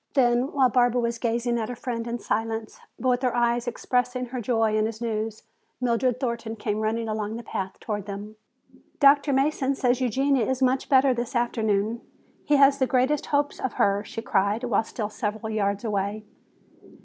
Then while Barbara was gazing at her friend in silence, but with her eyes expressing her joy in his news, Mildred Thornton came running along the path toward them. "Dr. Mason says Eugenia is much better this afternoon. He has the greatest hopes of her," she cried, while still several yards away.